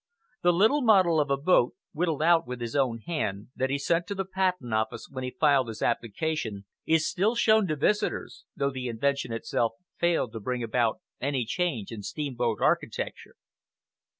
The little model of a boat, whittled out with his own hand, that he sent to the Patent Office when he filed his application, is still shown to visitors, though the invention itself failed to bring about any change in steamboat architecture.